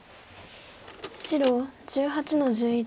白１８の十一。